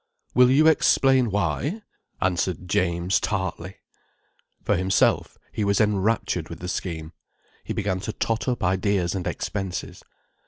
"Will you explain why?" answered James tartly. For himself, he was enraptured with the scheme. He began to tot up ideas and expenses.